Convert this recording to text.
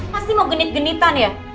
pasti mau genit genitan ya